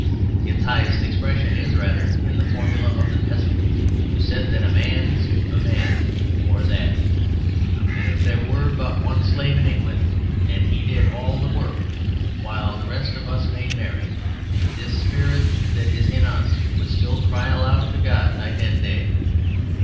Its highest expression is rather in the formula of the peasant who said that a man's a man for a' that. If there were but one slave in England, and he did all the work while the rest of us made merry, this spirit that is in us would still cry aloud to God night and day.